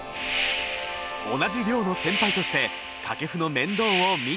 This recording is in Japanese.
同じ寮の先輩として掛布の面倒を見たという。